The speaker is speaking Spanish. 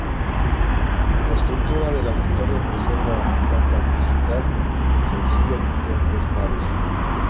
La estructura del auditorio, conserva la planta basilical sencilla dividida en tres naves.